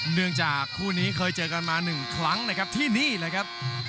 เนื่องจากคู่นี้เคยเจอกันมา๑ครั้งนะครับที่นี่เลยครับ